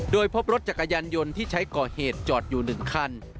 โดยพบรถจักรยานยนต์ที่ใช้ก่อเหตุจอดอยู่๑คัน